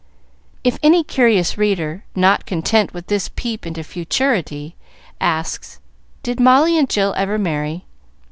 If any curious reader, not content with this peep into futurity, asks, "Did Molly and Jill ever marry?"